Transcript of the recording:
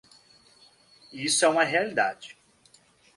E isso é uma realidade.